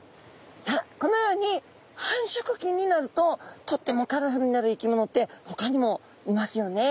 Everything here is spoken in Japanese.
さあこのように繁殖期になるととってもカラフルになる生き物ってほかにもいますよね。